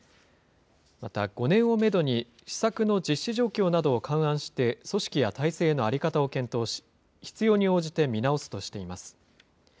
また、５年をメドに、施策の実施状況などを勘案して、組織や体制の在り方を検討し、必要に応じて見直すとしています。